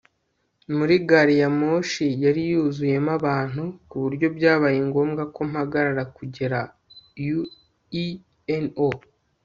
gari ya moshi yari yuzuyemo abantu ku buryo byabaye ngombwa ko mpagarara kugera ueno